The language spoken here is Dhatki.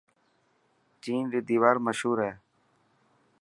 چين ري ديوار مشهور هي.